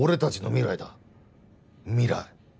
未来。